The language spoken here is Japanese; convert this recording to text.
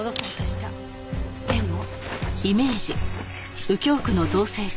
でも。